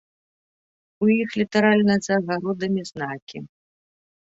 У іх літаральна за агародамі знакі.